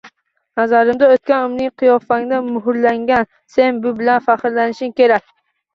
Nazarimda, o’tgan umring qiyofangda muhrlangan. Sen bu bilan faxrlanishing kerak.